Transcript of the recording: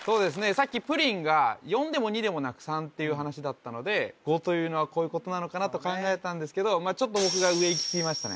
さっきプリンが４でも２でもなく３っていう話だったので５というのはこういうことなのかなと考えたんですけどちょっと僕が上いきすぎましたね